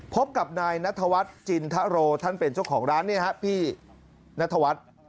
พบกับนายนัทวัฒน์จินทะโรท่านเป็นเจ้าของร้านเนี่ยฮะพี่นัทวัฒน์